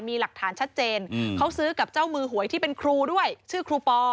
มีหลักฐานชัดเจนเขาซื้อกับเจ้ามือหวยที่เป็นครูด้วยชื่อครูปอ